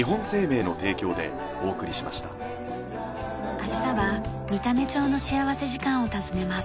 明日は三種町の幸福時間を訪ねます。